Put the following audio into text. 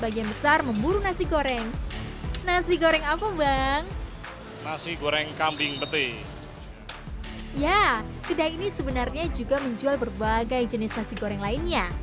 ya kedai ini sebenarnya juga menjual berbagai jenis nasi goreng lainnya